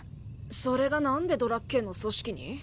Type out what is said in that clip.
それが何でドラッケンの組織に？